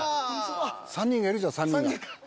３人がいるじゃん３人が。